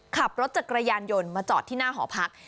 ขับรถจักรยานยนต์มาจอดที่หน้าหอพัก